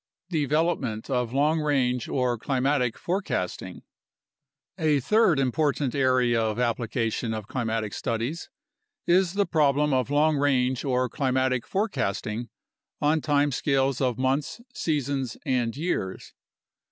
Development of Long Range or Climatic Forecasting A third important area of application of climatic studies is the problem of long range or climatic forecasting on time scales of months, seasons, and years.